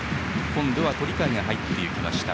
今度は鳥海が入っていきました。